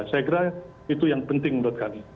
saya kira itu yang penting menurut kami